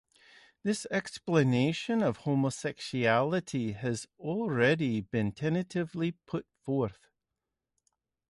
This explanation of homosexuality has already been tentatively put forth.